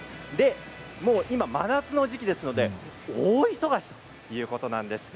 今、真夏の時期ですので大忙しということなんです。